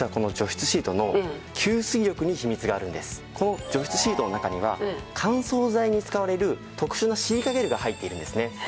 この除湿シートの中には乾燥剤に使われる特殊なシリカゲルが入っているんですね。